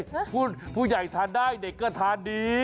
ผู้ใหญ่ทานได้เด็กก็ทานดี